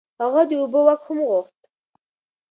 هغه د اوبو واک هم غوښت.